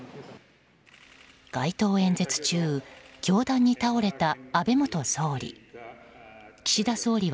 街頭演説中凶弾に倒れた安倍元総理。